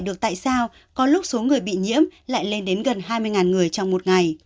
được tại sao có lúc số người bị nhiễm lại lên đến gần hai mươi người trong một ngày